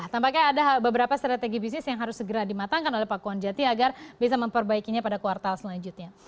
tampaknya ada beberapa strategi bisnis yang harus segera dimatangkan oleh pakuan jati agar bisa memperbaikinya pada kuartal selanjutnya